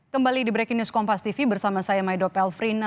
kembali di breaking news kompas tv bersama saya maido pelfrina